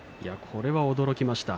これは驚きました。